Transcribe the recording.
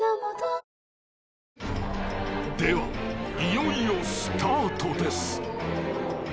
［ではいよいよスタートです］